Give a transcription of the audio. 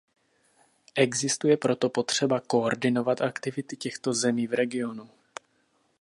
Existuje proto potřeba koordinovat aktivity těchto zemí v regionu.